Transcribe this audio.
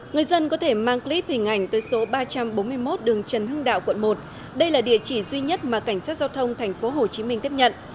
người dân có thể mang clip hình ảnh tới số ba trăm bốn mươi một đường trần hưng đạo quận một đây là địa chỉ duy nhất mà cảnh sát giao thông tp hcm tiếp nhận